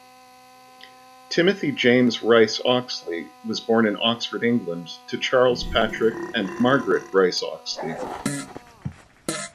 Timothy James Rice-Oxley was born in Oxford, England to Charles Patrick and Margaret Rice-Oxley.